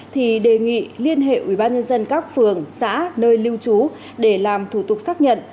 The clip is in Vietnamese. thì đề nghị liên hệ ubnd các phường xã nơi lưu trú để làm thủ tục xác nhận